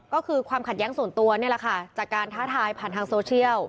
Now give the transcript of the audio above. ก็คือความขัดแย้งส่วนตัวนี่แหละค่ะจากการท้าทายผ่านทางโซเชียล